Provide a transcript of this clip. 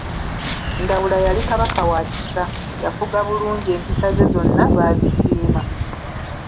Ndawula yali Kabaka wa kisa, yafuga bulungi, empisa ze zonna baazisiima.